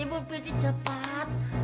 ibu bete cepat